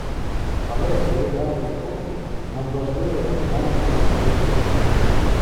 Але зберігати спокій – надважливе завдання для породіллі.